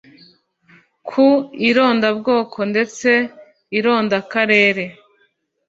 ku irondabwoko ndetse irondakarere